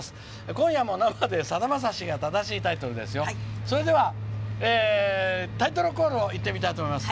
「今夜も生でさだまさし」が正しいタイトルですよ。では、タイトルコールをいってみたいと思います。